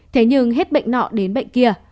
thế nhưng hết bệnh nọ đến bệnh kia